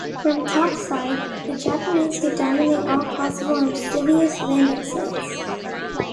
From 'Topside', the Japanese could dominate all possible amphibious landing sites.